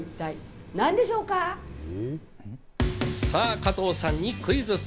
加藤さんにクイズッス！